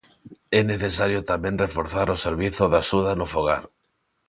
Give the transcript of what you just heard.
É necesario tamén reforzar o servizo de axuda no fogar.